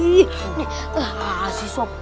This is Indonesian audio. nih makasih sob